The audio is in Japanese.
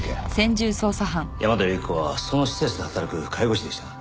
山寺郁子はその施設で働く介護士でした。